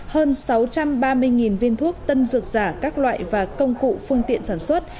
hơn sáu trăm ba mươi viên thuốc tân dược giả các loại và công cụ phương tiện sản xuất